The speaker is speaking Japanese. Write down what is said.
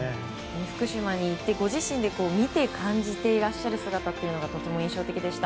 福島に行ってご自身で見て感じている姿がとても印象的でした。